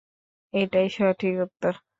এটাই সঠিক উত্তর!